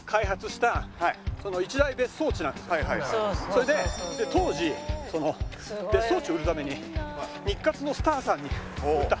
それで当時その別荘地を売るために日活のスターさんに売った。